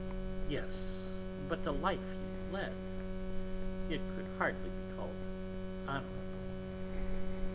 Yes, but the life he led; it could hardly be called honourable.